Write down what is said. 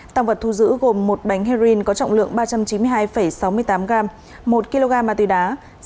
tăng vật thu giữ gồm một bánh heroin có trọng lượng ba trăm chín mươi hai sáu mươi tám gram một kg ma túy đá